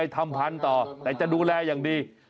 ตะดูแลอย่างดี